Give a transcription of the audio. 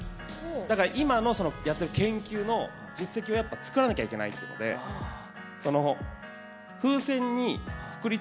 だから今のやってる研究の実績を作らなきゃいけないってことでそのえ？